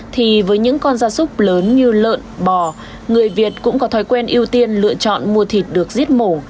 thì với những con gia súc lớn như lợn bò người việt cũng có thói quen ưu tiên lựa chọn mua thịt được giết mổ